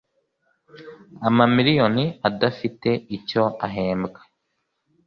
Amamiliyoni adafite icyo ahembwa